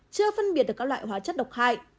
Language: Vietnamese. chưa phân biệt được các loại hóa chất độc hại